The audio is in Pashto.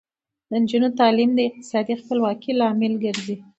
د نجونو تعلیم د اقتصادي خپلواکۍ لامل ګرځي.